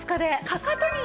かかとの。